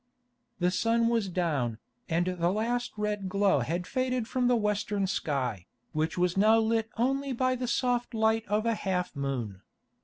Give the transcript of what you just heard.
The sun was down, and the last red glow had faded from the western sky, which was now lit only by the soft light of a half moon.